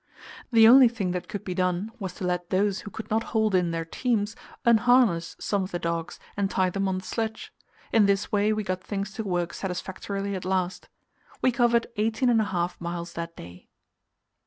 The only thing that could be done was to let those who could not hold in their teams unharness some of the dogs and tie them on the sledge. In this way we got things to work satisfactorily at last. We covered eighteen and a half miles that day.